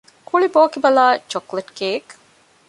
ކުޅި ބޯކިބަލާއި ޗޮކްލެޓްކޭއް